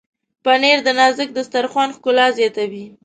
پنېر د نازک دسترخوان ښکلا زیاتوي.